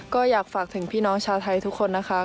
ก็อยากฝากถึงพี่น้องชาวไทยทุกคนนะคะ